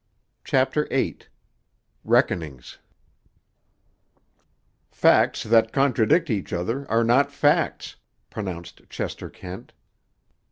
CHAPTER VIII—RECKONINGS "Facts that contradict each other are not facts," pronounced Chester Kent.